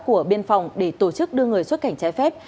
của biên phòng để tổ chức đưa người xuất cảnh trái phép